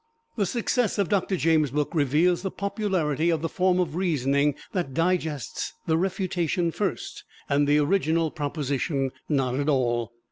The success of Doctor James' book reveals the popularity of the form of reasoning that digests the refutation first, and the original proposition not at all.